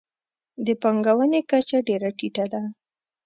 د پانګونې کچه ډېره ټیټه ده.